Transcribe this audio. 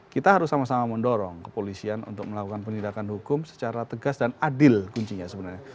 kita harus sama sama mendorong kepolisian untuk melakukan penindakan hukum secara tegas dan adil kuncinya sebenarnya